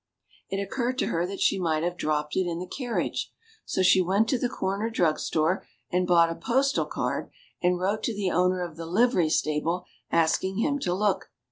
It occurred to her CINDERELLA UP TO DATE. 15 that she might have dropped it in the carriage ; so she went to the corner drug store and bought a postal card, and wrote to the owner of the livery stable, asking him to look.